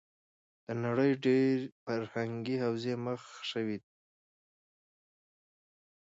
د نړۍ ډېری فرهنګې حوزې مخ شوې وې.